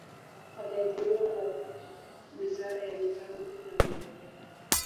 Aliajiriwa na wizara ya mipango na maendeleo